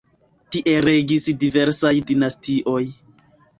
Tie regis diversaj dinastioj.